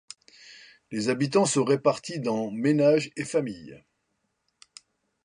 Les habitants sont répartis dans ménages et familles.